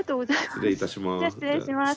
失礼いたします。